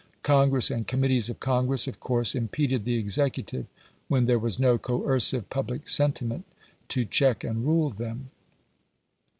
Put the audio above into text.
Congress and committees of Congress of course impeded the executive when there was no coercive public sentiment to check and rule them.